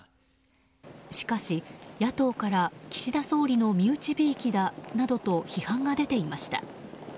しかし、野党から岸田総理の身内びいきだなどと批判が出ていました。